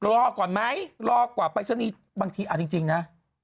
รอก่อนไหมรอก่อนปริศนีย์บางทีเอาจริงนะ